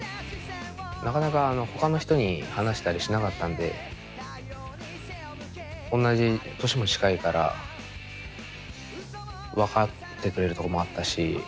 なかなかほかの人に話したりしなかったんで同じ年も近いから分かってくれるとこもあったし。